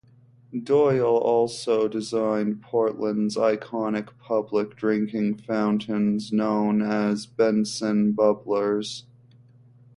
Doyle also designed Portland's iconic public drinking fountains known as Benson Bubblers.